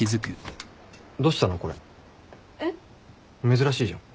珍しいじゃん。